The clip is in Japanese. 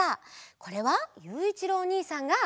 これはゆういちろうおにいさんが。